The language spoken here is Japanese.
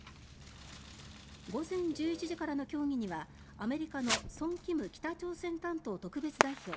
午前１１時からの協議にはアメリカのソン・キム北朝鮮担当特別代表